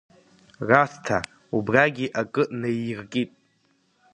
Расҭа, убрыгьы акы наииркит.